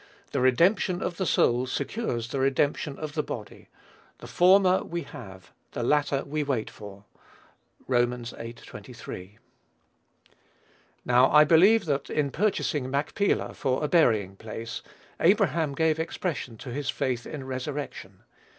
The redemption of the soul secures the redemption of the body; the former we have, the latter we wait for. (Rom. viii. 23.) Now, I believe that in purchasing Machpelah for a burying place, Abraham gave expression to his faith in resurrection.